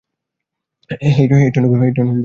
হেই Tony oh, Vic, মজার তো।